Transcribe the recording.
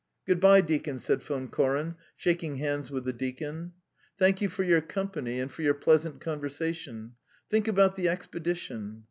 "Good bye, deacon," said Von Koren, shaking hands with the deacon. "Thank you for your company and for your pleasant conversation. Think about the expedition."